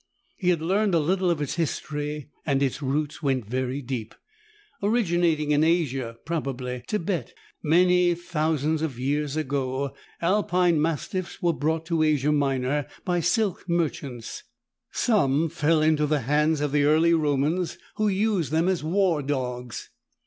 He had learned a little of its history, and its roots went very deep. Originating in Asia, probably Tibet, many thousands of years ago, Alpine Mastiffs were brought to Asia Minor by silk merchants. Some fell into the hands of the early Romans, who used them as war dogs.